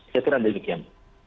saya kira demikian